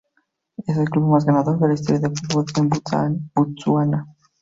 Es el club más ganador en la historia del fútbol en Botsuana.